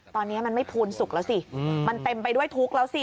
ตอนนี้มันไม่พูนสุขแล้วสิมันเต็มไปด้วยทุกข์แล้วสิ